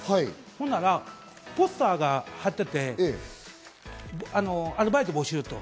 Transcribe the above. ほんならポスターが貼ってて、アルバイト募集と。